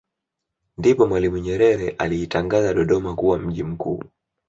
Ndipo Mwalimu Nyerere aliitangaza Dodoma kuwa mji mkuu